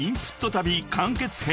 旅完結編］